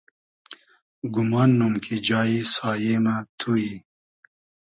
گومان نوم کی جایی سایې مۂ تو یی